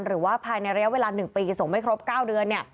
หรือว่าภายในระยะเวลา๑ปีส่งไม่ครบ๙เดือน